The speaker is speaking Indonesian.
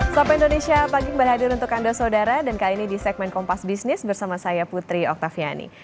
sop indonesia pagi kembali hadir untuk anda saudara dan kali ini di segmen kompas bisnis bersama saya putri oktaviani